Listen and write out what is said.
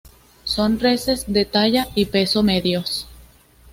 Son reses de talla y peso medios.